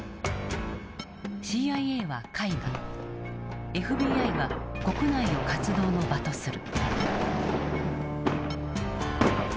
ＣＩＡは海外ＦＢＩは国内を活動の場とする。